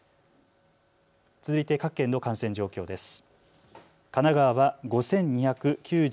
続いて各県の感染状況です。